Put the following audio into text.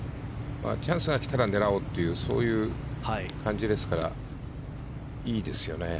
チャンスが来たら狙おうというそういう感じですからいいですよね。